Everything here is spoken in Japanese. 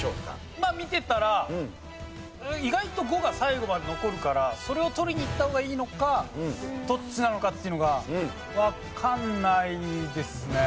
まあ見てたら意外と５が最後まで残るからそれを取りにいった方がいいのかどっちなのかっていうのがわかんないですね。